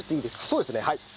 そうですねはい。